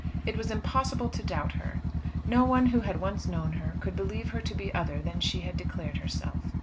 It was impossible to doubt her. No one who had once known her could believe her to be other than she had declared herself.